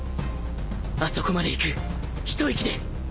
あそこまで行く一息で！